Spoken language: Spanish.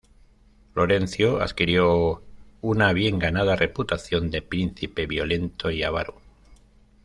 Florencio adquirió una bien ganada reputación de príncipe violento y avaro.